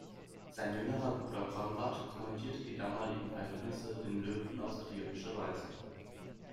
Sein jüngerer Bruder Konrad kommentierte die damaligen Verhältnisse in Löwen auf satirische Weise.